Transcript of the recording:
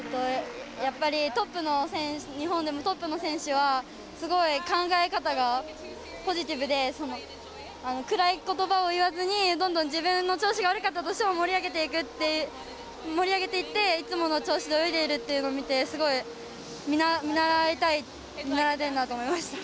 やっぱり日本でもトップの選手はすごい考え方がポジティブで暗いことばを言わずにどんどん自分の調子が悪かったとしても盛り上げていっていつもの調子で泳いでいるっていうのを見てすごい見習いたいなと思いました。